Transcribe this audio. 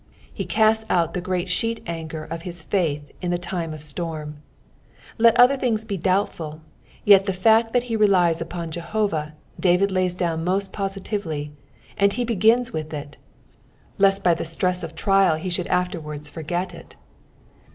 He ca«t8 out the great sheet anchor of his faith in the time of storm. Let other things be donbttui, yet the fact that he relies upon Jehovah, DaTid laja dovn most positively ; and he bcgini with It, lest by streas of trUI be should P3ALU THE TBIBTT FIBST. . 63 afterwards forget it.